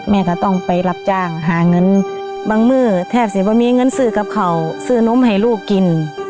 แม่ก็ต้องไปรับจ้างหาเงินบางเมื่อแทบสิว่ามีเงินซื้อกับเขาซื้อนมให้ลูกกิน